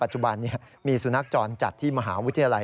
จุบันนี้มีสุนัขจรจัดที่มหาวิทยาลัย